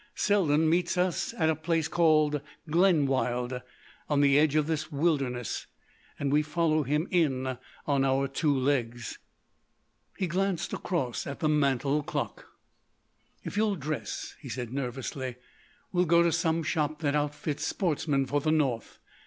Selden meets us at a place called Glenwild, on the edge of this wilderness, and we follow him in on our two legs." He glanced across at the mantel clock. "If you'll dress," he said nervously, "we'll go to some shop that outfits sportsmen for the North.